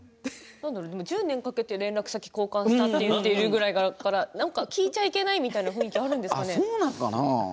１０年かけて連絡先交換したと言ってましたから聞いちゃいけないっていうのはあるんですかね。